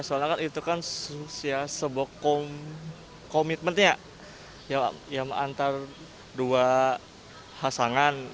soalnya kan itu kan sebuah komitmennya yang antar dua hasangan